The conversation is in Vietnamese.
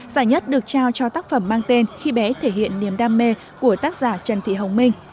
giải nhất được trao cho tác phẩm mang tên khi bé thể hiện niềm đam mê của tác giả trần thị hồng minh